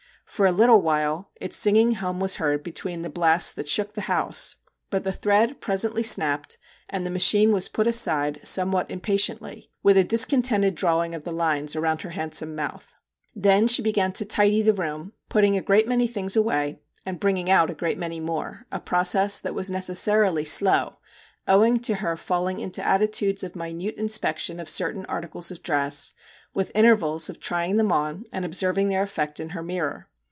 For a little while its singing hum was heard between the blasts that shook the house ; but the thread presently snapped, and the machine was put aside somewhat impatiently, with a discon tented drawing of the lines around her hand MR. JACK HAMLIN'S MEDIATION 9 some mouth. Then she began to ' tidy ' the room, putting a great many things away and bringing out a great many more, a process that was necessarily slow owing to her falling into attitudes of minute inspection of certain articles of dress, with intervals of trying them on, and observing their effect in her mirror.